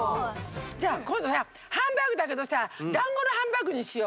じゃあこんどさハンバーグだけどさだんごのハンバーグにしよう。